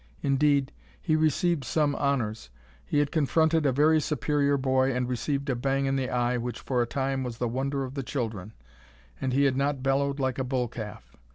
Indeed, he received some honors. He had confronted a very superior boy and received a bang in the eye which for a time was the wonder of the children, and he had not bellowed like a bull calf.